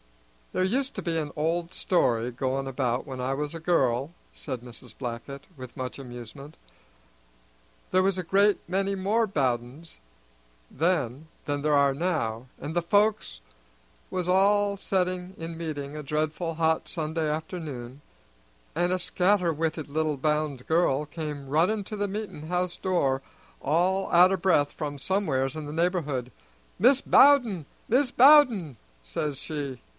"There used to be an old story goin' about when I was a girl," said Mrs. Blackett, with much amusement. "There was a great many more Bowdens then than there are now, and the folks was all setting in meeting a dreadful hot Sunday afternoon, and a scatter witted little bound girl came running to the meetin' house door all out o' breath from somewheres in the neighborhood. 'Mis' Bowden, Mis' Bowden!' says she.